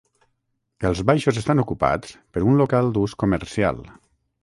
Els baixos estan ocupats per un local d'ús comercial.